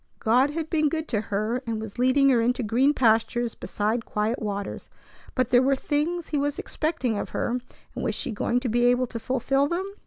God had been good to her, and was leading her into green pastures beside quiet waters; but there were things He was expecting of her, and was she going to be able to fulfil them?